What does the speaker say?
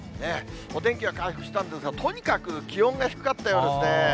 お天気は回復したんですが、とにかく気温が低かったようですね。